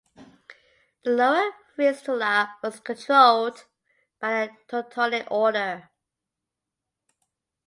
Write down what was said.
The lower Vistula was controlled by the Teutonic Order.